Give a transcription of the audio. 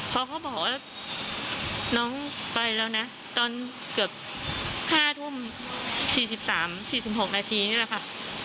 พอเขาบอกว่าน้องไปแล้วนะตอนเกือบ๕ทุ่ม๔๓๔๖นาทีนี่แหละค่ะ